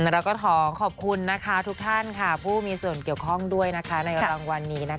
แล้วก็ขอขอบคุณนะคะทุกท่านค่ะผู้มีส่วนเกี่ยวข้องด้วยในรางวัลนี้